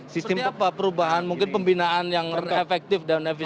sistem apa perubahan mungkin pembinaan yang efektif dan efisien